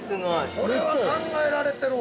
◆これは考えられてるわ。